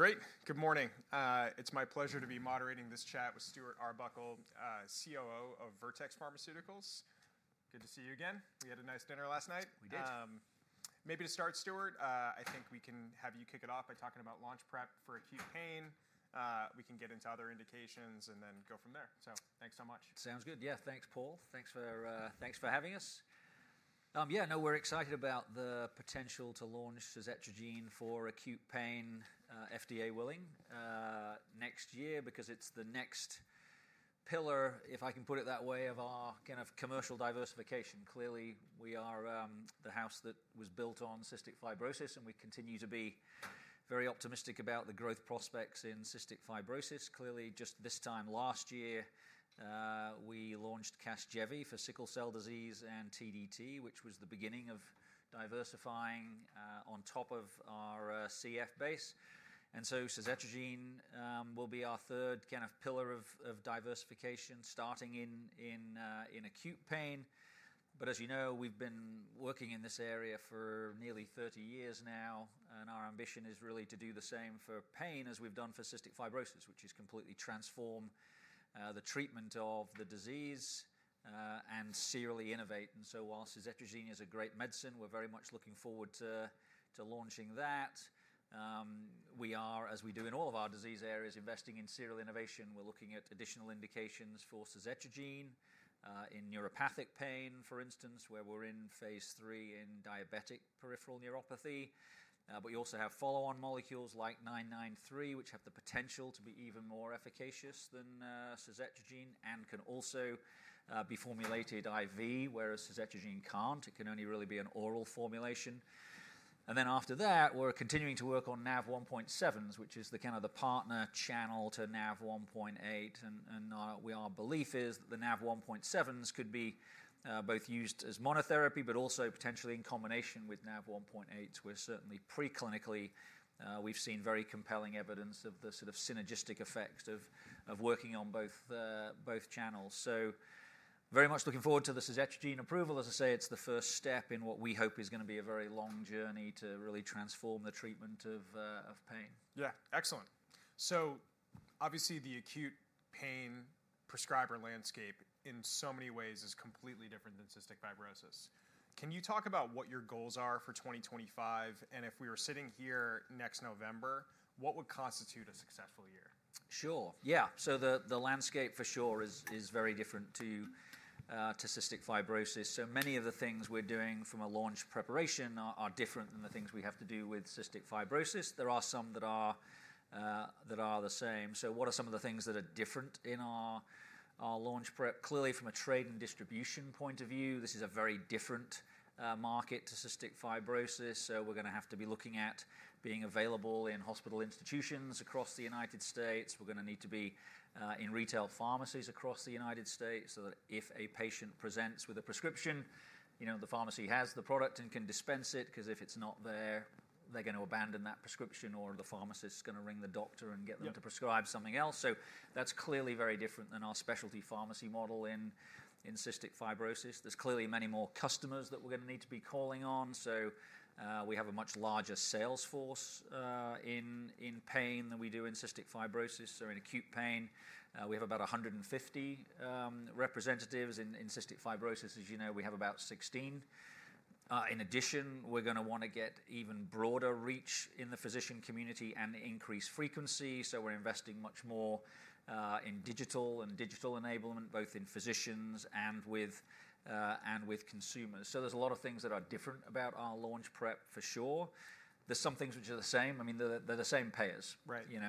Great. Good morning. It's my pleasure to be moderating this chat with Stuart Arbuckle, COO of Vertex Pharmaceuticals. Good to see you again. We had a nice dinner last night. We did. Maybe to start, Stuart, I think we can have you kick it off by talking about launch prep for acute pain. We can get into other indications and then go from there. So thanks so much. Sounds good. Yeah, thanks, Paul. Thanks for having us. Yeah, no, we're excited about the potential to launch suzetrigine for acute pain, FDA willing, next year because it's the next pillar, if I can put it that way, of our kind of commercial diversification. Clearly, we are the house that was built on cystic fibrosis, and we continue to be very optimistic about the growth prospects in cystic fibrosis. Clearly, just this time last year, we launched Casgevy for sickle cell disease and TDT, which was the beginning of diversifying on top of our CF base, and so suzetrigine will be our third kind of pillar of diversification starting in acute pain. But as you know, we've been working in this area for nearly 30 years now, and our ambition is really to do the same for pain as we've done for cystic fibrosis, which is completely transform the treatment of the disease and serially innovate. And so while suzetrigine is a great medicine, we're very much looking forward to launching that. We are, as we do in all of our disease areas, investing in serial innovation. We're looking at additional indications for suzetrigine in neuropathic pain, for instance, where we're in phase III in diabetic peripheral neuropathy. But we also have follow-on molecules like VX-993, which have the potential to be even more efficacious than suzetrigine and can also be formulated IV, whereas suzetrigine can't. It can only really be an oral formulation. Then after that, we're continuing to work on NaV1.7s, which is the kind of the partner channel to NaV1.8. Our belief is that the NaV1.7s could be both used as monotherapy, but also potentially in combination with NaV1.8. We're certainly pre-clinically. We've seen very compelling evidence of the sort of synergistic effects of working on both channels. We're very much looking forward to the suzetrigine approval. As I say, it's the first step in what we hope is going to be a very long journey to really transform the treatment of pain. Yeah, excellent. So obviously, the acute pain prescriber landscape in so many ways is completely different than cystic fibrosis. Can you talk about what your goals are for 2025? And if we were sitting here next November, what would constitute a successful year? Sure. Yeah. So the landscape for sure is very different to cystic fibrosis. So many of the things we're doing from a launch preparation are different than the things we have to do with cystic fibrosis. There are some that are the same. So what are some of the things that are different in our launch prep? Clearly, from a trade and distribution point of view, this is a very different market to cystic fibrosis. So we're going to have to be looking at being available in hospital institutions across the United States. We're going to need to be in retail pharmacies across the United States so that if a patient presents with a prescription, the pharmacy has the product and can dispense it because if it's not there, they're going to abandon that prescription or the pharmacist is going to ring the doctor and get them to prescribe something else. So that's clearly very different than our specialty pharmacy model in cystic fibrosis. There's clearly many more customers that we're going to need to be calling on. So we have a much larger sales force in pain than we do in cystic fibrosis or in acute pain. We have about 150 representatives in cystic fibrosis. As you know, we have about 16. In addition, we're going to want to get even broader reach in the physician community and increase frequency. So we're investing much more in digital and digital enablement, both in physicians and with consumers, so there's a lot of things that are different about our launch prep for sure. There's some things which are the same. I mean, they're the same payers,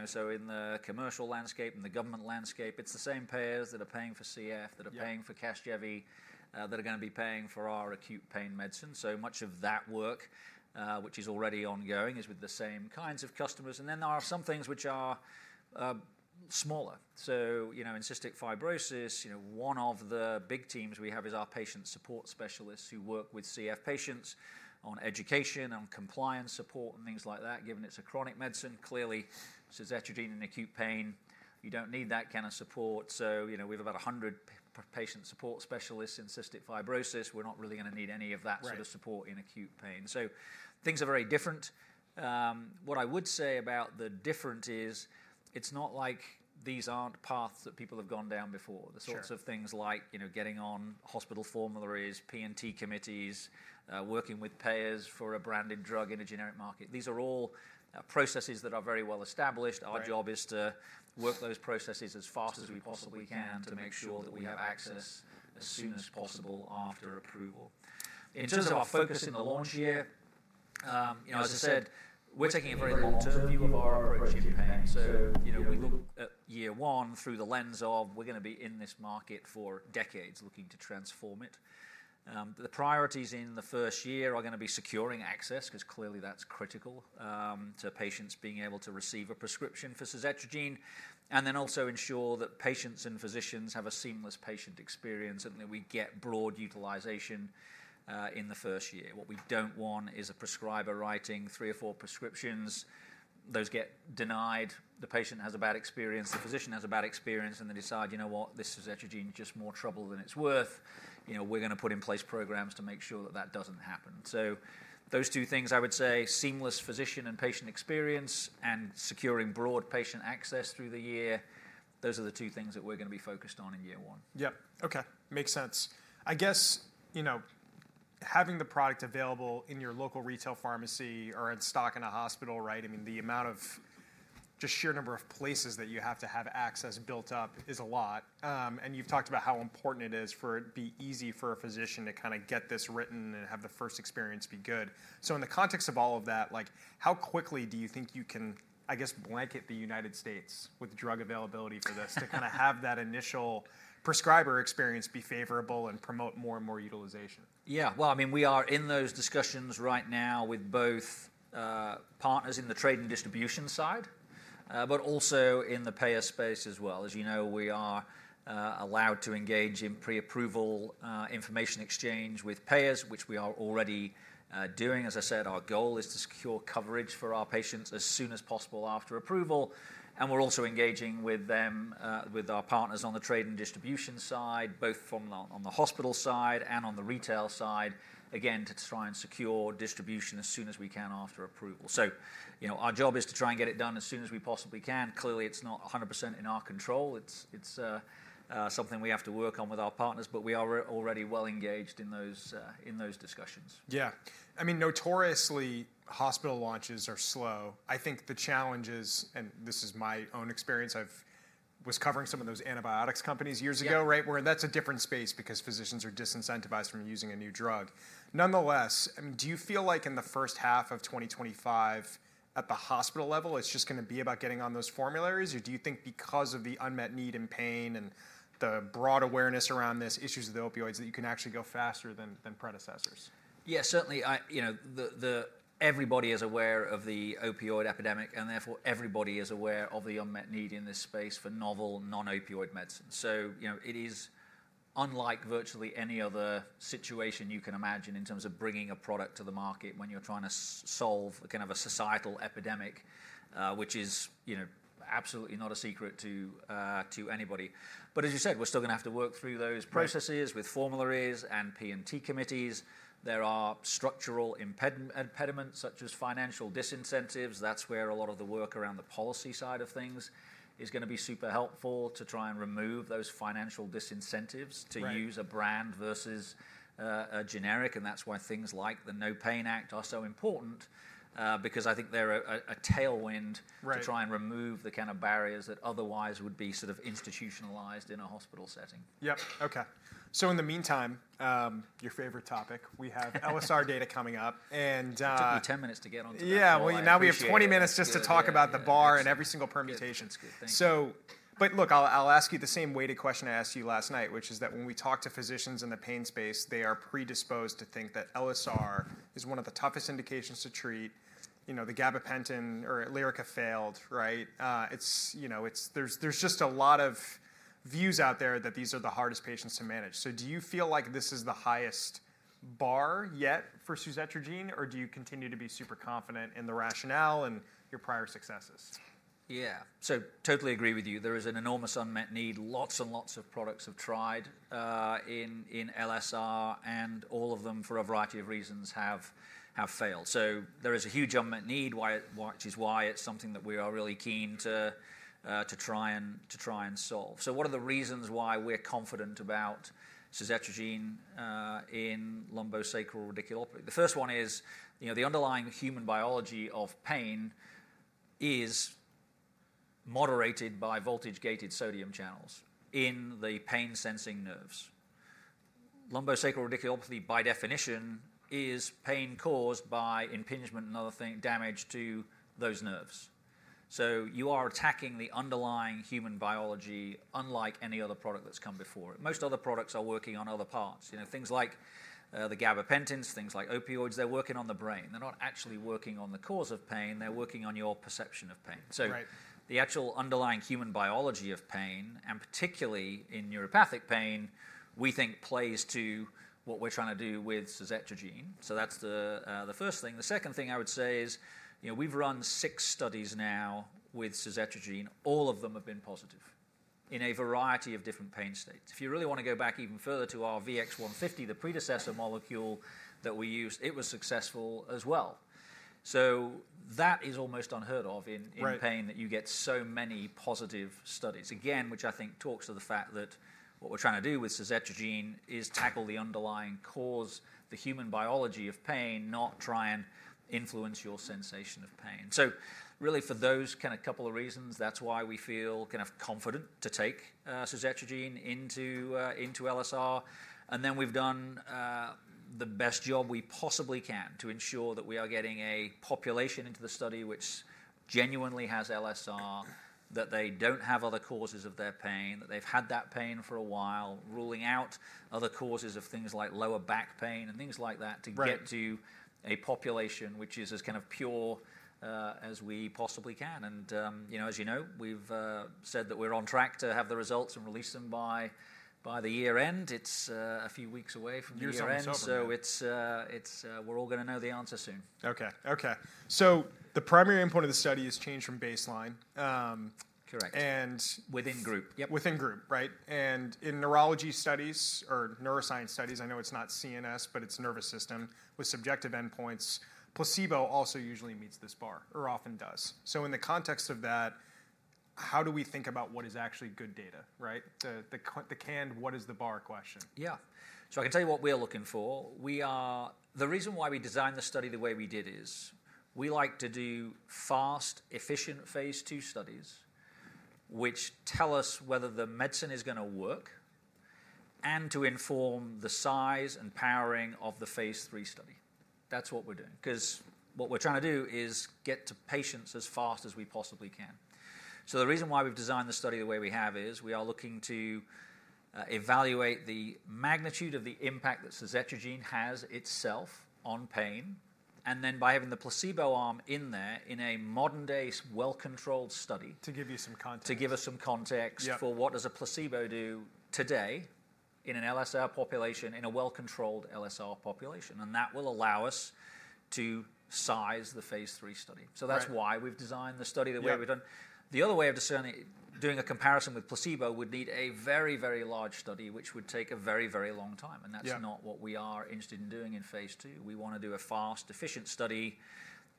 so in the commercial landscape and the government landscape, it's the same payers that are paying for CF, that are paying for Casgevy, that are going to be paying for our acute pain medicine, so much of that work, which is already ongoing, is with the same kinds of customers, and then there are some things which are smaller, so in cystic fibrosis, one of the big teams we have is our patient support specialists who work with CF patients on education and compliance support and things like that, given it's a chronic medicine. Clearly, so suzetrigine in acute pain, you don't need that kind of support. So we have about 100 patient support specialists in cystic fibrosis. We're not really going to need any of that sort of support in acute pain. So things are very different. What I would say about the difference is it's not like these aren't paths that people have gone down before. The sorts of things like getting on hospital formularies, P&T committees, working with payers for a branded drug in a generic market. These are all processes that are very well established. Our job is to work those processes as fast as we possibly can to make sure that we have access as soon as possible after approval. In terms of our focus in the launch year, as I said, we're taking a very long-term view of our approach in pain. So we look at year one through the lens of we're going to be in this market for decades looking to transform it. The priorities in the first year are going to be securing access because clearly that's critical to patients being able to receive a prescription for suzetrigine and then also ensure that patients and physicians have a seamless patient experience and that we get broad utilization in the first year. What we don't want is a prescriber writing three or four prescriptions. Those get denied. The patient has a bad experience. The physician has a bad experience. And they decide, you know what, this suzetrigine is just more trouble than it's worth. We're going to put in place programs to make sure that that doesn't happen. So those two things, I would say, seamless physician and patient experience and securing broad patient access through the year, those are the two things that we're going to be focused on in year one. Yeah. Okay. Makes sense. I guess having the product available in your local retail pharmacy or in stock in a hospital, right? I mean, the amount of just sheer number of places that you have to have access built up is a lot. And you've talked about how important it is for it to be easy for a physician to kind of get this written and have the first experience be good. So in the context of all of that, how quickly do you think you can, I guess, blanket the United States with drug availability for this to kind of have that initial prescriber experience be favorable and promote more and more utilization? Yeah. Well, I mean, we are in those discussions right now with both partners in the trade and distribution side, but also in the payer space as well. As you know, we are allowed to engage in pre-approval information exchange with payers, which we are already doing. As I said, our goal is to secure coverage for our patients as soon as possible after approval. And we're also engaging with our partners on the trade and distribution side, both on the hospital side and on the retail side, again, to try and secure distribution as soon as we can after approval. So our job is to try and get it done as soon as we possibly can. Clearly, it's not 100% in our control. It's something we have to work on with our partners, but we are already well engaged in those discussions. Yeah. I mean, notoriously, hospital launches are slow. I think the challenges, and this is my own experience, I was covering some of those antibiotics companies years ago, right? Where that's a different space because physicians are disincentivized from using a new drug. Nonetheless, do you feel like in the first half of 2025 at the hospital level, it's just going to be about getting on those formularies? Or do you think because of the unmet need in pain and the broad awareness around these issues with opioids that you can actually go faster than predecessors? Yeah, certainly. Everybody is aware of the opioid epidemic, and therefore everybody is aware of the unmet need in this space for novel non-opioid medicine. So it is unlike virtually any other situation you can imagine in terms of bringing a product to the market when you're trying to solve kind of a societal epidemic, which is absolutely not a secret to anybody. But as you said, we're still going to have to work through those processes with formularies and P&T committees. There are structural impediments such as financial disincentives. That's where a lot of the work around the policy side of things is going to be super helpful to try and remove those financial disincentives to use a brand versus a generic. That's why things like the NOPAIN Act are so important because I think they're a tailwind to try and remove the kind of barriers that otherwise would be sort of institutionalized in a hospital setting. Yep. Okay, so in the meantime, your favorite topic. We have LSR data coming up and. Took me 10 minutes to get onto that. Yeah. Well, now we have 20 minutes just to talk about the bar and every single permutation. That's good. Thanks. But look, I'll ask you the same weighted question I asked you last night, which is that when we talk to physicians in the pain space, they are predisposed to think that LSR is one of the toughest indications to treat. The Gabapentin or Lyrica failed, right? There's just a lot of views out there that these are the hardest patients to manage. So do you feel like this is the highest bar yet for suzetrigine? Or do you continue to be super confident in the rationale and your prior successes? Yeah. So totally agree with you. There is an enormous unmet need. Lots and lots of products have tried in LSR, and all of them, for a variety of reasons, have failed. So there is a huge unmet need, which is why it's something that we are really keen to try and solve. So what are the reasons why we're confident about suzetrigine in lumbosacral radiculopathy? The first one is the underlying human biology of pain is moderated by voltage-gated sodium channels in the pain-sensing nerves. Lumbosacral radiculopathy, by definition, is pain caused by impingement and other damage to those nerves. So you are attacking the underlying human biology unlike any other product that's come before. Most other products are working on other parts. Things like the gabapentins, things like opioids, they're working on the brain. They're not actually working on the cause of pain. They're working on your perception of pain, so the actual underlying human biology of pain, and particularly in neuropathic pain, we think plays to what we're trying to do with suzetrigine. That's the first thing. The second thing I would say is we've run six studies now with suzetrigine. All of them have been positive in a variety of different pain states. If you really want to go back even further to our VX-150, the predecessor molecule that we used, it was successful as well. That is almost unheard of in pain that you get so many positive studies. Again, which I think talks to the fact that what we're trying to do with suzetrigine is tackle the underlying cause, the human biology of pain, not try and influence your sensation of pain. So really, for those kind of couple of reasons, that's why we feel kind of confident to take suzetrigine into LSR, and then we've done the best job we possibly can to ensure that we are getting a population into the study which genuinely has LSR, that they don't have other causes of their pain, that they've had that pain for a while, ruling out other causes of things like lower back pain and things like that to get to a population which is as kind of pure as we possibly can, and as you know, we've said that we're on track to have the results and release them by the year end. It's a few weeks away from the year end, so we're all going to know the answer soon. Okay. So the primary endpoint of the study is change from baseline. Correct. Within group. Yep. Within group, right? And in neurology studies or neuroscience studies, I know it's not CNS, but it's nervous system with subjective endpoints, placebo also usually meets this bar or often does. So in the context of that, how do we think about what is actually good data, right? The canned what is the bar question. Yeah. So I can tell you what we are looking for. The reason why we designed the study the way we did is we like to do fast, efficient phase II studies, which tell us whether the medicine is going to work and to inform the size and powering of the phase III study. That's what we're doing. Because what we're trying to do is get to patients as fast as we possibly can. So the reason why we've designed the study the way we have is we are looking to evaluate the magnitude of the impact that suzetrigine has itself on pain. And then by having the placebo arm in there in a modern-day well-controlled study. To give you some context. To give us some context for what does a placebo do today in an LSR population in a well-controlled LSR population, and that will allow us to size the phase III study, so that's why we've designed the study the way we've done. The other way of doing a comparison with placebo would need a very, very large study, which would take a very, very long time, and that's not what we are interested in doing in phase II. We want to do a fast, efficient study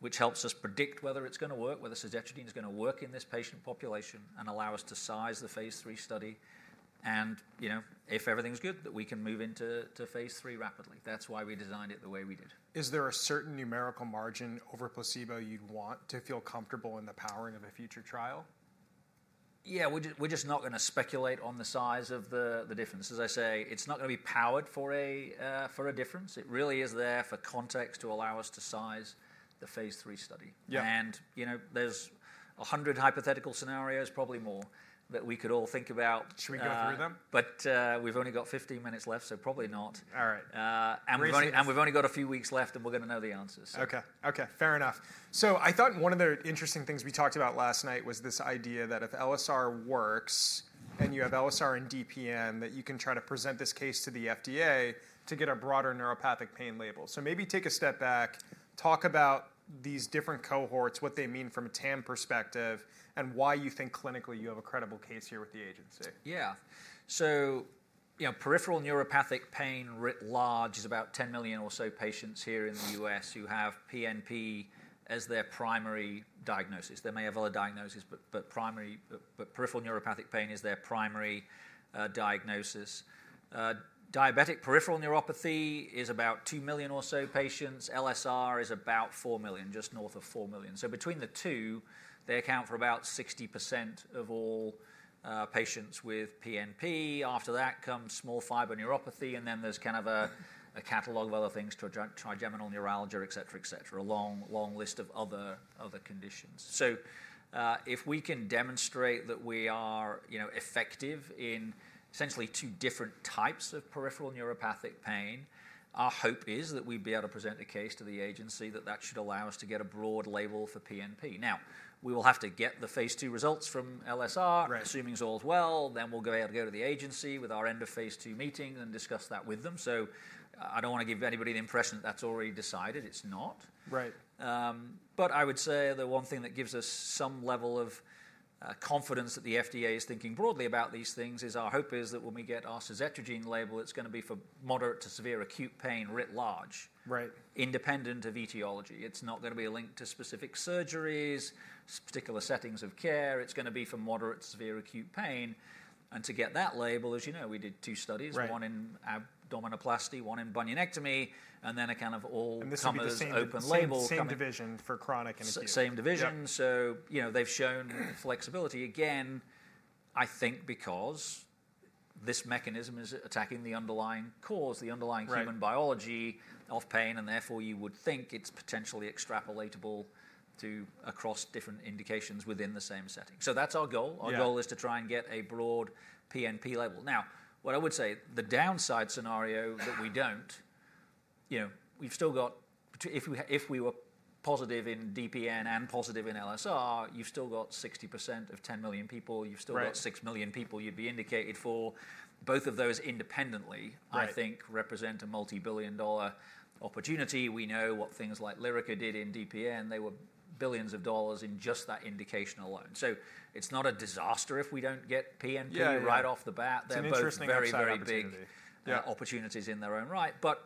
which helps us predict whether it's going to work, whether suzetrigine is going to work in this patient population, and allow us to size the phase III study, and if everything's good, that we can move into phase III rapidly. That's why we designed it the way we did. Is there a certain numerical margin over placebo you'd want to feel comfortable in the powering of a future trial? Yeah. We're just not going to speculate on the size of the difference. As I say, it's not going to be powered for a difference. It really is there for context to allow us to size the phase III study. And there's 100 hypothetical scenarios, probably more, that we could all think about. Should we go through them? But we've only got 15 minutes left, so probably not. All right. We've only got a few weeks left, and we're going to know the answers. Okay. Okay. Fair enough. So I thought one of the interesting things we talked about last night was this idea that if LSR works and you have LSR and DPN, that you can try to present this case to the FDA to get a broader neuropathic pain label. So maybe take a step back, talk about these different cohorts, what they mean from a TAM perspective, and why you think clinically you have a credible case here with the agency. Yeah. So peripheral neuropathic pain large is about 10 million or so patients here in the U.S. who have PNP as their primary diagnosis. They may have other diagnoses, but peripheral neuropathic pain is their primary diagnosis. Diabetic peripheral neuropathy is about 2 million or so patients. LSR is about 4 million, just north of 4 million. So between the two, they account for about 60% of all patients with PNP. After that comes small fiber neuropathy, and then there's kind of a catalog of other things to trigeminal neuralgia, et cetera, et cetera, a long list of other conditions. So if we can demonstrate that we are effective in essentially two different types of peripheral neuropathic pain, our hope is that we'd be able to present a case to the agency that that should allow us to get a broad label for PNP. Now, we will have to get the phase II results from LSR, assuming it's all as well, then we'll be able to go to the agency with our end-of-phase II meeting and discuss that with them, so I don't want to give anybody the impression that that's already decided. It's not, but I would say the one thing that gives us some level of confidence that the FDA is thinking broadly about these things is our hope that when we get our suzetrigine label, it's going to be for moderate to severe acute pain writ large, independent of etiology. It's not going to be linked to specific surgeries, particular settings of care. It's going to be for moderate to severe acute pain. And to get that label, as you know, we did two studies, one in abdominoplasty, one in bunionectomy, and then a kind of all-combination open label. This will be the same division for chronic and acute. Same division. So they've shown flexibility. Again, I think because this mechanism is attacking the underlying cause, the underlying human biology of pain, and therefore you would think it's potentially extrapolatable across different indications within the same setting. So that's our goal. Our goal is to try and get a broad PNP label. Now, what I would say, the downside scenario that we don't, we've still got if we were positive in DPN and positive in LSR, you've still got 60% of 10 million people. You've still got 6 million people you'd be indicated for. Both of those independently, I think, represent a multi-billion-dollar opportunity. We know what things like Lyrica did in DPN. They were billions of dollars in just that indication alone. So it's not a disaster if we don't get PNP right off the bat. They're both very, very big opportunities in their own right. But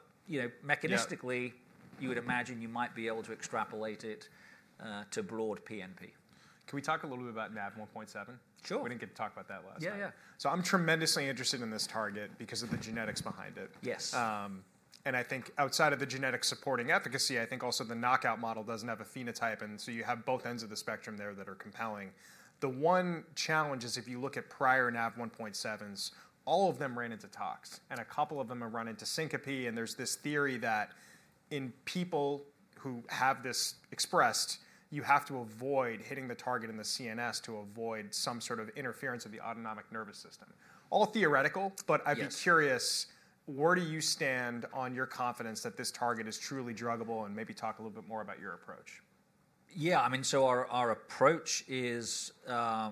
mechanistically, you would imagine you might be able to extrapolate it to broad PNP. Can we talk a little bit about NaV1.7? Sure. We didn't get to talk about that last time. Yeah, yeah. I'm tremendously interested in this target because of the genetics behind it. Yes. And I think outside of the genetic supporting efficacy, I think also the knockout model doesn't have a phenotype. And so you have both ends of the spectrum there that are compelling. The one challenge is if you look at prior NaV1.7s, all of them ran into tox and a couple of them have run into syncope. And there's this theory that in people who have this expressed, you have to avoid hitting the target in the CNS to avoid some sort of interference of the autonomic nervous system. All theoretical, but I'd be curious, where do you stand on your confidence that this target is truly druggable and maybe talk a little bit more about your approach? Yeah. I mean, so our approach is we're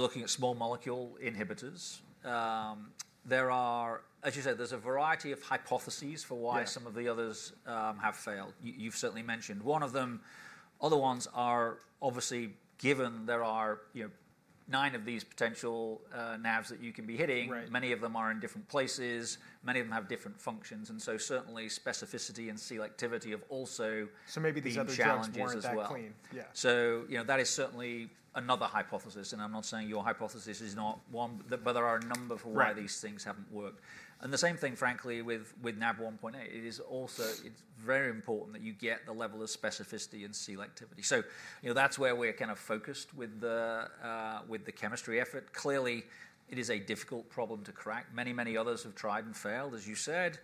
looking at small molecule inhibitors. As you said, there's a variety of hypotheses for why some of the others have failed. You've certainly mentioned one of them. Other ones are obviously given. There are nine of these potential NaVs that you can be hitting. Many of them are in different places. Many of them have different functions, and so certainly specificity and selectivity have also been challenged as well. Maybe these other challenges are that clean. Yeah. So that is certainly another hypothesis. And I'm not saying your hypothesis is not one, but there are a number for why these things haven't worked. And the same thing, frankly, with NaV1.8. It is also very important that you get the level of specificity and selectivity. So that's where we're kind of focused with the chemistry effort. Clearly, it is a difficult problem to crack. Many, many others have tried and failed, as you said.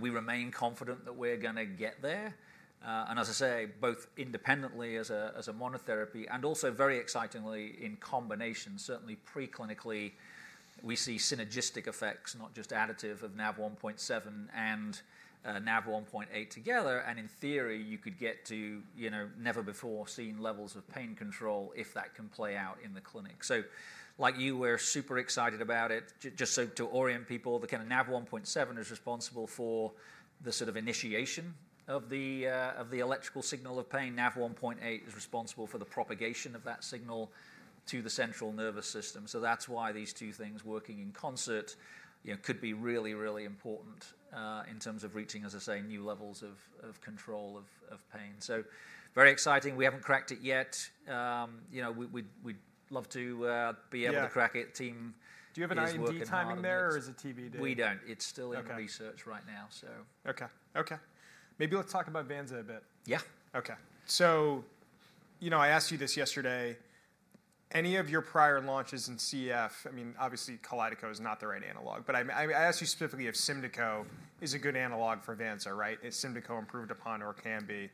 We remain confident that we're going to get there. And as I say, both independently as a monotherapy and also very excitingly in combination, certainly preclinically, we see synergistic effects, not just additive of NaV1.7 and NaV1.8 together. And in theory, you could get to never-before-seen levels of pain control if that can play out in the clinic. So like you, we're super excited about it. Just so to orient people, the kind of NaV1.7 is responsible for the sort of initiation of the electrical signal of pain. NaV1.8 is responsible for the propagation of that signal to the central nervous system. So that's why these two things working in concert could be really, really important in terms of reaching, as I say, new levels of control of pain. So very exciting. We haven't cracked it yet. We'd love to be able to crack it. Do you have an IND timing there or is it TBD? We don't. It's still in research right now, so. Okay. Okay. Maybe let's talk about vanzacaftor a bit. Yeah. Okay. So I asked you this yesterday. Any of your prior launches in CF, I mean, obviously Kalydeco is not the right analog, but I asked you specifically if Symdeko is a good analog for vanzacaftor, right? Is Symdeko improved upon or can be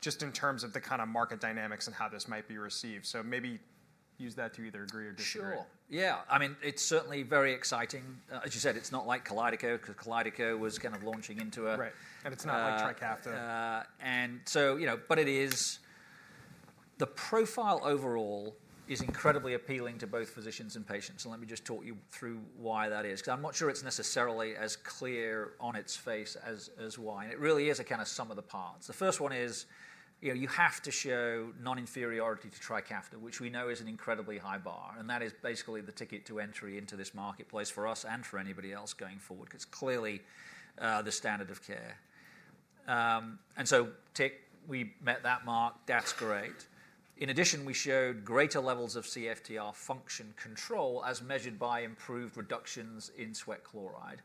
just in terms of the kind of market dynamics and how this might be received? So maybe use that to either agree or disagree. Sure. Yeah. I mean, it's certainly very exciting. As you said, it's not like Kalydeco because Kalydeco was kind of launching into a. Right, and it's not like Trikafta. But it is. The profile overall is incredibly appealing to both physicians and patients. And let me just talk you through why that is. Because I'm not sure it's necessarily as clear on its face as to why. And it really is a kind of sum of the parts. The first one is you have to show non-inferiority to Trikafta, which we know is an incredibly high bar. And that is basically the ticket to entry into this marketplace for us and for anybody else going forward because it's clearly the standard of care. And so tick, we met that mark. That's great. In addition, we showed greater levels of CFTR function control as measured by improved reductions in sweat chloride.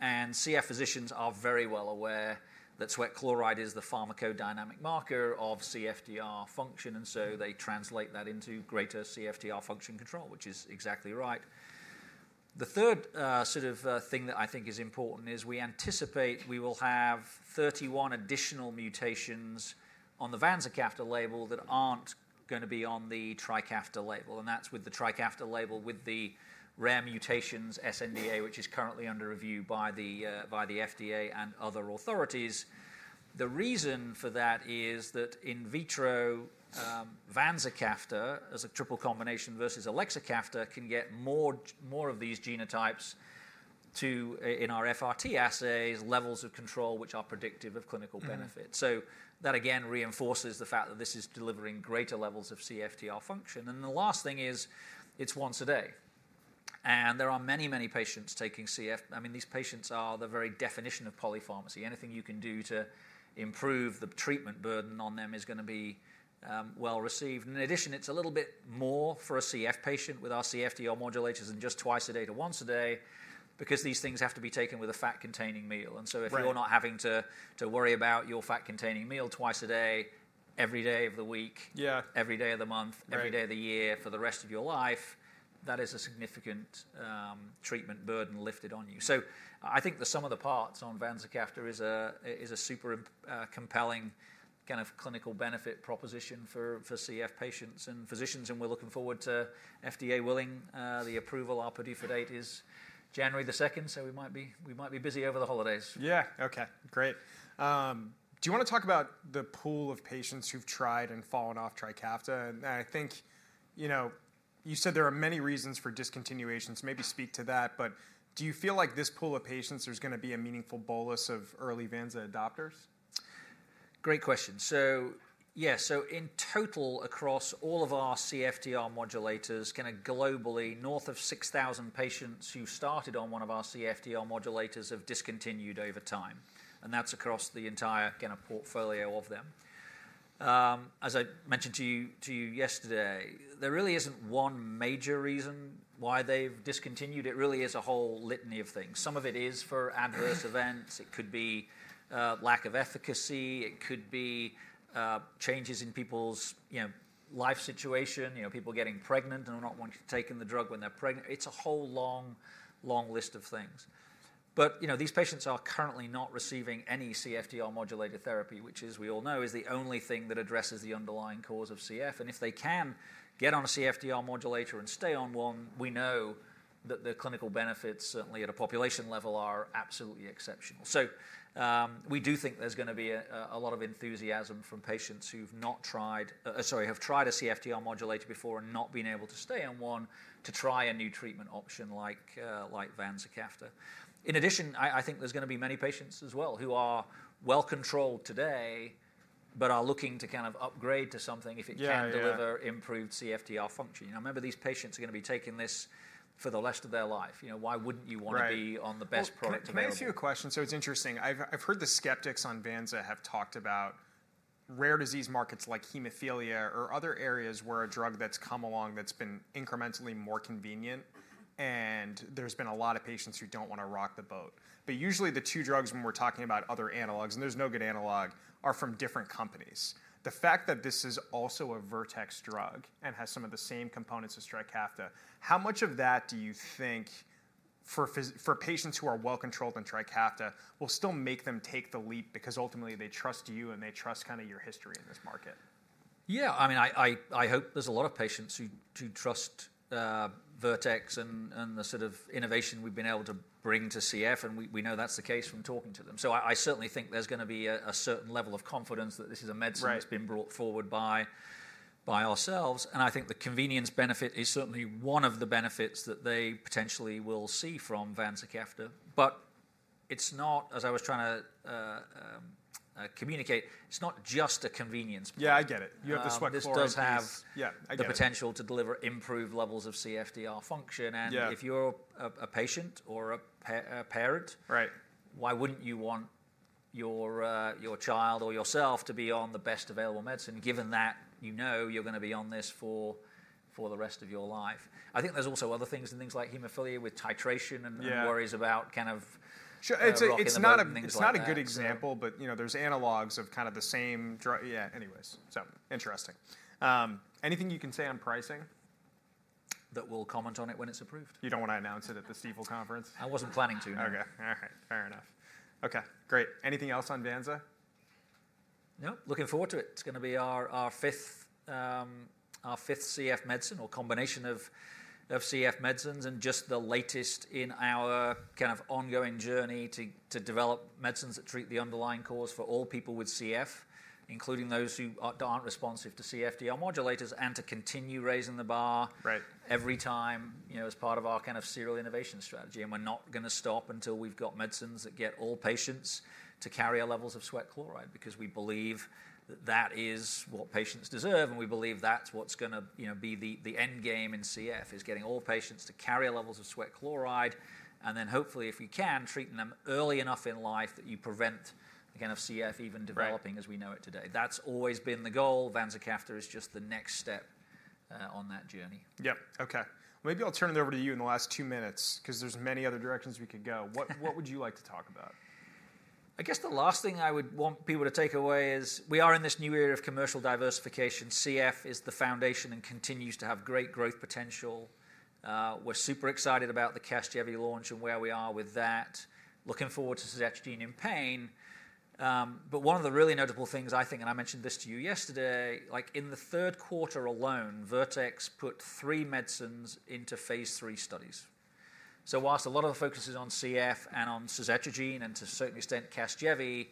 And CF physicians are very well aware that sweat chloride is the pharmacodynamic marker of CFTR function. And so they translate that into greater CFTR function control, which is exactly right. The third sort of thing that I think is important is we anticipate we will have 31 additional mutations on the vanzacaftor label that aren't going to be on the Trikafta label. And that's with the Trikafta label with the rare mutations sNDA, which is currently under review by the FDA and other authorities. The reason for that is that in vitro, vanzacaftor as a triple combination versus elexacaftor can get more of these genotypes in our FRT assays, levels of control which are predictive of clinical benefit. So that again reinforces the fact that this is delivering greater levels of CFTR function. And the last thing is it's once a day. And there are many, many patients taking CF. I mean, these patients are the very definition of polypharmacy. Anything you can do to improve the treatment burden on them is going to be well received. In addition, it's a little bit more for a CF patient with our CFTR modulators than just twice a day to once a day because these things have to be taken with a fat-containing meal. So if you're not having to worry about your fat-containing meal twice a day, every day of the week, every day of the month, every day of the year for the rest of your life, that is a significant treatment burden lifted on you. I think the sum of the parts on vanzacaftor is a super compelling kind of clinical benefit proposition for CF patients and physicians. We're looking forward to FDA approval. Our PDUFA date is January 2nd, so we might be busy over the holidays. Yeah. Okay. Great. Do you want to talk about the pool of patients who've tried and fallen off Trikafta? And I think you said there are many reasons for discontinuations. Maybe speak to that. But do you feel like this pool of patients, there's going to be a meaningful bolus of early vanza adopters? Great question. So yeah, so in total across all of our CFTR modulators, kind of globally, north of 6,000 patients who started on one of our CFTR modulators have discontinued over time. And that's across the entire kind of portfolio of them. As I mentioned to you yesterday, there really isn't one major reason why they've discontinued. It really is a whole litany of things. Some of it is for adverse events. It could be lack of efficacy. It could be changes in people's life situation, people getting pregnant and not wanting to take in the drug when they're pregnant. It's a whole long, long list of things. But these patients are currently not receiving any CFTR modulator therapy, which, as we all know, is the only thing that addresses the underlying cause of CF. And if they can get on a CFTR modulator and stay on one, we know that the clinical benefits certainly at a population level are absolutely exceptional. So we do think there's going to be a lot of enthusiasm from patients who've not tried a CFTR modulator before and not been able to stay on one to try a new treatment option like vanzacaftor. In addition, I think there's going to be many patients as well who are well controlled today but are looking to kind of upgrade to something if it can deliver improved CFTR function. I remember these patients are going to be taking this for the rest of their life. Why wouldn't you want to be on the best product available? To answer your question, so it's interesting. I've heard the skeptics on Vanza have talked about rare disease markets like hemophilia or other areas where a drug that's come along that's been incrementally more convenient. And there's been a lot of patients who don't want to rock the boat. But usually the two drugs when we're talking about other analogs, and there's no good analog, are from different companies. The fact that this is also a Vertex drug and has some of the same components as Trikafta, how much of that do you think for patients who are well controlled on Trikafta will still make them take the leap because ultimately they trust you and they trust kind of your history in this market? Yeah. I mean, I hope there's a lot of patients who trust Vertex and the sort of innovation we've been able to bring to CF. And we know that's the case from talking to them. So I certainly think there's going to be a certain level of confidence that this is a medicine that's been brought forward by ourselves. And I think the convenience benefit is certainly one of the benefits that they potentially will see from vanzacaftor. But it's not, as I was trying to communicate, it's not just a convenience. Yeah, I get it. You have the sweat chloride. But this does have the potential to deliver improved levels of CFTR function. And if you're a patient or a parent, why wouldn't you want your child or yourself to be on the best available medicine given that you know you're going to be on this for the rest of your life? I think there's also other things and things like hemophilia with titration and worries about kind of. Sure. It's not a good example, but there's analogs of kind of the same drug. Yeah, anyways. So interesting. Anything you can say on pricing? That we'll comment on it when it's approved. You don't want to announce it at the Stifel Conference? I wasn't planning to. Okay. All right. Fair enough. Okay. Great. Anything else on Vanza? No. Looking forward to it. It's going to be our fifth CF medicine or combination of CF medicines and just the latest in our kind of ongoing journey to develop medicines that treat the underlying cause for all people with CF, including those who aren't responsive to CFTR modulators and to continue raising the bar every time as part of our kind of serial innovation strategy. And we're not going to stop until we've got medicines that get all patients to CFTR levels of sweat chloride because we believe that that is what patients deserve. And we believe that's what's going to be the end game in CF is getting all patients to CFTR levels of sweat chloride and then hopefully, if we can, treating them early enough in life that you prevent the kind of CF even developing as we know it today. That's always been the goal. Vanza Kafta is just the next step on that journey. Yeah. Okay. Maybe I'll turn it over to you in the last two minutes because there's many other directions we could go. What would you like to talk about? I guess the last thing I would want people to take away is we are in this new era of commercial diversification. CF is the foundation and continues to have great growth potential. We're super excited about the Casgevy launch and where we are with that. Looking forward to suzetrigine pain. But one of the really notable things I think, and I mentioned this to you yesterday, in the third quarter alone, Vertex put three medicines into phase III studies. So whilst a lot of the focus is on CF and on suzetrigine and to a certain extent Casgevy,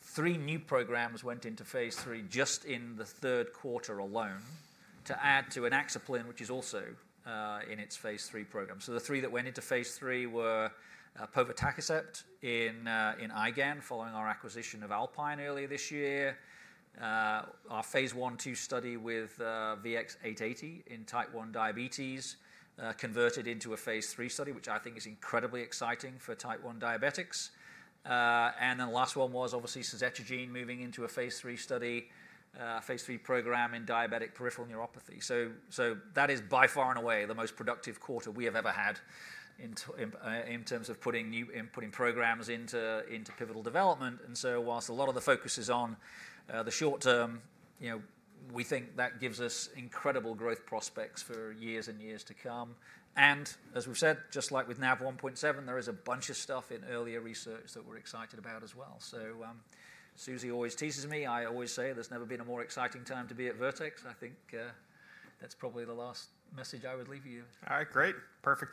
three new programs went into phase III just in the third quarter alone to add to inaxaplin, which is also in its phase III program. So the three that went into phase III were povetacicept in IgAN, following our acquisition of Alpine earlier this year. Our phase I/2 study with VX-880 in type one diabetes converted into a phase III study, which I think is incredibly exciting for type one diabetics. And then the last one was obviously suzetrigine moving into a phase III study, phase III program in diabetic peripheral neuropathy. So that is by far and away the most productive quarter we have ever had in terms of putting programs into pivotal development. And so while a lot of the focus is on the short term, we think that gives us incredible growth prospects for years and years to come. And as we've said, just like with NaV1.7, there is a bunch of stuff in earlier research that we're excited about as well. So Susie always teases me. I always say there's never been a more exciting time to be at Vertex. I think that's probably the last message I would leave you. All right. Great. Perfect.